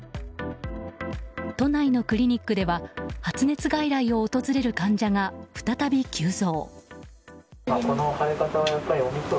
都内のクリニックでは発熱外来を訪れる患者が再び急増。